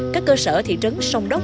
các cơ sở thị trấn sông đốc